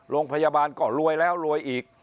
โรงพยาบาลก็รวยแล้วรวยอีก